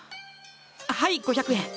はい５００円。